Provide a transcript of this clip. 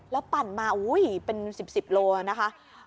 แล้วปั่นมาอุ๊ยเป็น๑๐กิโลกรัมนะคะ